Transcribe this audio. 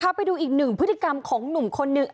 ข้าไปดูอีกหนึ่งภฏกรรมของหนุ่มคนนึง